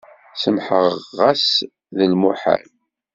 Semḥeɣ xas ma d lemuḥal.